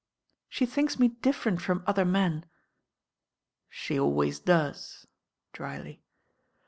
She thinks me different from other men " She always does," drily.